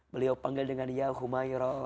beliau panggil dengan yahumairah